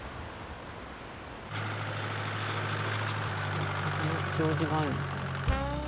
また何か行事があるのか？